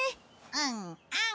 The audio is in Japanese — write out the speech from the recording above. うんうん。